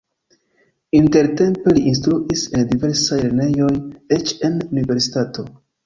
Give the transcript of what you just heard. Intertempe li instruis en diversaj lernejoj, eĉ en universitato.